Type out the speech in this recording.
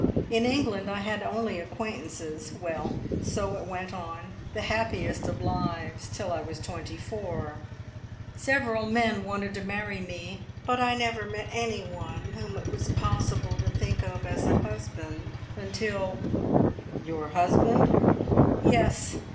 In England I had only acquaintances. Well! So it went on, the happiest of lives, till I was twenty four. Several men wanted to marry me, but I never met anyone whom it was possible to think of as a husband until " "Your husband?" "Yes.